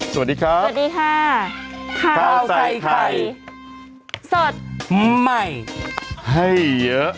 สวัสดีครับสวัสดีค่ะข้าวใส่ไข่สดใหม่ให้เยอะ